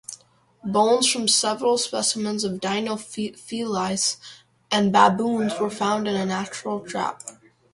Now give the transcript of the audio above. Bones from several specimens of "Dinofelis" and baboons were found in a natural trap.